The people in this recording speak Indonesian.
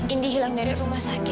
indi hilang dari rumah sakit